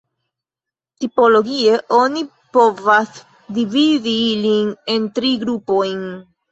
Tipologie oni povas dividi ilin en tri grupojn.